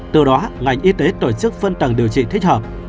từ đó ngành y tế tổ chức phân tầng điều trị thích hợp